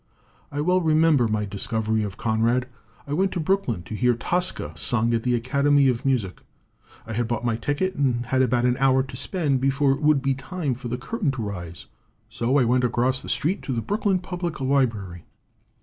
"I well remember my discovery of Conrad. I went to Brooklyn to hear 'Tosca' sung at the Academy of Music. I had bought my ticket, and I had about an hour to spend before it would be time for the curtain to rise. So I went across the street to the Brooklyn Public Library.